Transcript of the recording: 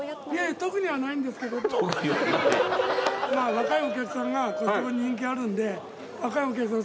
若いお客さんがコストコ人気あるんで若いお客さん